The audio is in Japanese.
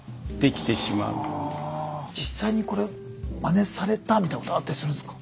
実際にこれまねされたみたいなことあったりするんですか？